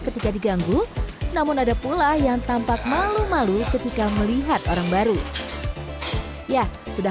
ketika diganggu namun ada pula yang tampak malu malu ketika melihat orang baru ya sudah